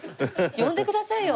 呼んでくださいよ！